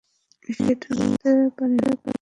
সেটা অনুমান করতে পারি।